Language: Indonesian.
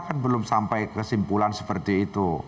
kan belum sampai kesimpulan seperti itu